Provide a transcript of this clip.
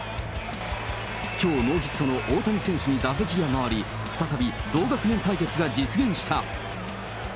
きょうノーヒットの大谷選手に打席が回り、再び同学年対決が実現した。